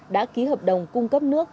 đã ký hợp đồng cung cấp nước